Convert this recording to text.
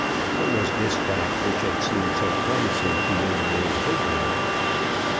It was this fact which had seemed so promising to young Lord Hautboy.